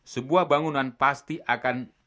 sebuah bangunan pasti akan